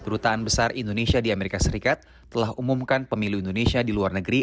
rutaan besar indonesia di as telah umumkan pemilih indonesia di luar negeri